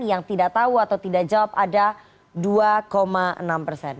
yang tidak tahu atau tidak jawab ada dua enam persen